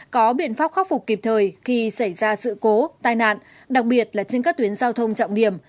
có biện pháp khắc phục kịp thời khi xảy ra sự cố tai nạn đặc biệt là trên các tuyến giao thông trọng điểm